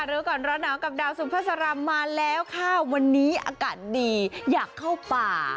รู้ก่อนร้อนหนาวกับดาวสุภาษารามาแล้วค่ะวันนี้อากาศดีอยากเข้าป่า